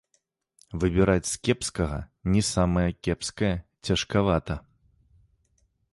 Выбіраць з кепскага не самае кепскае цяжкавата.